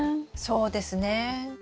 そうですね。